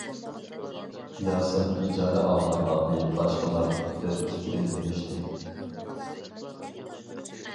ياسىن ئىجارە ئالغان ئاتنى باشقىلار بىر، ئىككىدىن مىنىشتى.